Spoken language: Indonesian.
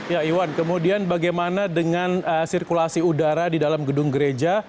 ya iwan kemudian bagaimana dengan sirkulasi udara di dalam gedung gereja